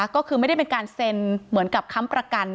ก็คือไม่ได้เป็นการเซ็นเหมือนกับค้ำประกัน